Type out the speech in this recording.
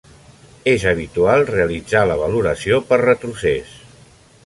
És habitual realitzar la valoració per retrocés.